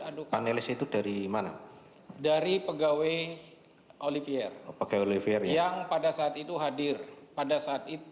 adu panelis itu dari mana dari pegawai olivier pakai olivier yang pada saat itu hadir pada saat itu